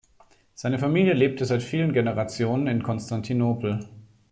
Seine Familie lebte seit vielen Generationen in Konstantinopel.